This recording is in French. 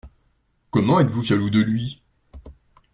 Comment êtes-vous jaloux de Lui?